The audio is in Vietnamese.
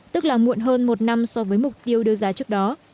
tức là muộn hơn một năm so với mục tiêu đưa ra trước đó